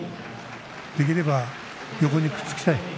できれば横にくっつきたい。